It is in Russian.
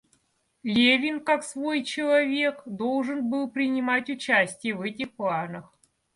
Левин, как свой человек, должен был принимать участие в этих планах.